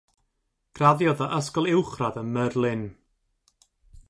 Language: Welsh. Graddiodd o ysgol uwchradd ym Merlin.